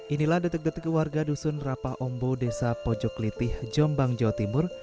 inilah detik detik warga dusun rapa ombo desa pojoklitih jombang jawa timur